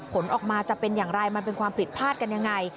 ผลออกมาจะเป็นอย่างไรมันเป็นความผิดพลาดกันยังไง